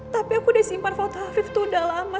tapi aku sudah simpan foto afif itu sudah lama